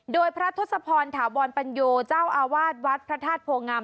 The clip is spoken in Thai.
โดยพระทศพรถาวรปัญโยเจ้าอาวาสวัดพระธาตุโพงาม